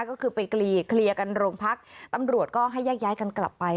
ก็คือไปกลีกลีลกันโรงพักตำรวจก็ให้ยากกันกลับไป